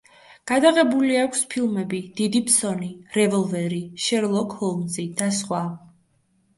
გადაღებული აქვს ფილმები „დიდი ფსონი“, „რევოლვერი“, „შერლოკ ჰოლმზი“ და სხვა.